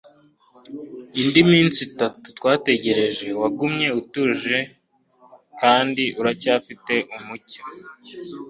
indi minsi itatu twategereje, wagumye utuje kandi uracyafite umucyo